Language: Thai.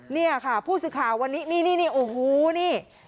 นี่ค่ะผู้สื่อข่าววันนี้นี่โอ้โหนี่